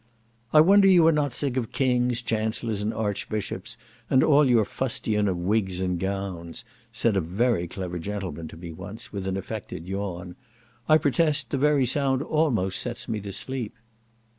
"I wonder you are not sick of kings, chancellors, and archbishops, and all your fustian of wigs and gowns," said a very clever gentleman to me once, with an affected yawn, "I protest the very sound almost sets me to sleep."